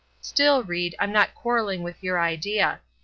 Still, Ried, I'm not quarrelling with your idea.